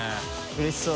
うれしそう。